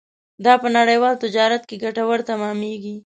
دا په نړیوال تجارت کې ګټور تمامېږي.